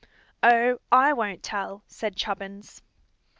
"Oh, I won't tell," said Chubbins.